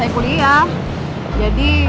aku bilang gak ada